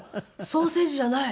「ソーセージじゃない。